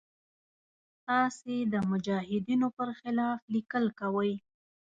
تاسې د مجاهدینو پر خلاف لیکل کوئ.